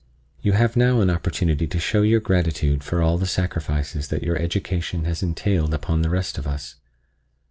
You have now an opportunity to show your gratitude for all the sacrifices that your education has entailed upon the rest of us.